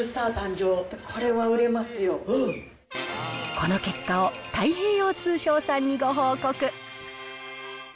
この結果を太平洋通商さんにご報告。